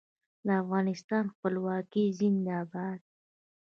د افغانستان خپلواکي زنده باد.